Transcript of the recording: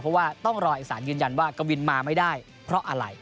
เพราะว่าต้องรอเอกสารยืนยันว่ากวินมาไม่ได้เพราะอะไร